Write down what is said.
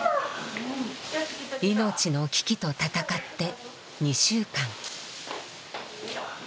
命の危機と闘って２週間。